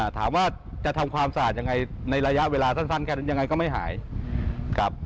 ถามว่าจะทำความสะอาดยังไงในระยะเวลาสั้นแค่นั้นยังไงก็ไม่หายครับ